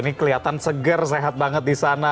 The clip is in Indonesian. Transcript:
ini kelihatan seger sehat banget di sana